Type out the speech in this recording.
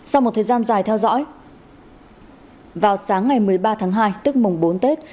sau một thời gian dài theo dõi vào sáng ngày một mươi ba tháng hai tức mùng bốn tết